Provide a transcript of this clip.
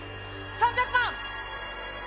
３００万！